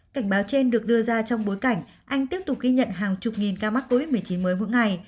cảnh báo trên được đưa ra trong bối cảnh anh tiếp tục ghi nhận hàng chục nghìn ca mắc covid một mươi chín mới mỗi ngày